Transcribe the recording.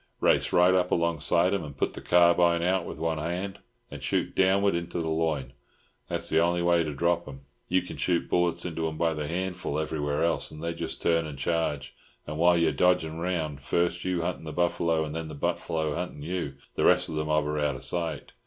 "Race right up alongside 'em, and put the carbine out with one hand, and shoot downwards into the loin. That's the only way to drop 'em. You can shoot bullets into 'em by the hatful everywhere else, and they just turn and charge; and while you are dodging round, first you huntin' the buffalo, and then the buffalo huntin' you, the rest of the mob are out of sight.